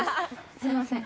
すいません